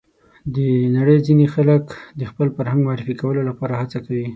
د نړۍ ځینې خلک د خپل فرهنګ معرفي کولو لپاره هڅه کوي.